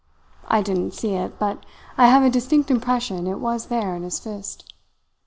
I didn't see it, but I have a distinct impression it was there in his fist.